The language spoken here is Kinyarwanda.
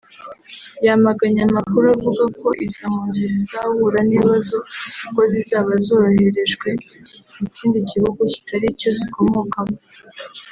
yamaganye amakuru avuga ko izo mpunzi zizahura n’ibibazo ubwo zizaba zoherejwe mu kindi gihugu kitari icyo zikomokamo